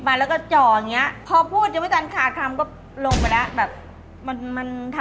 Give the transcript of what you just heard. มึงเรายังรู้จักคลัวดีกว่านักครองของมึง